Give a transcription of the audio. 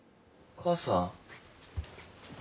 母さん。